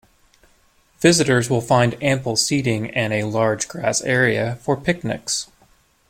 Visitors will find ample seating and a large grass area for picnics.